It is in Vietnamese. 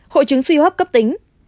hội chứng suy hốp cấp tính